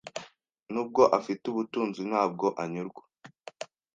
Nubwo afite ubutunzi, ntabwo anyurwa.